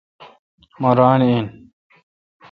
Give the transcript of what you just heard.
مہ ران این ۔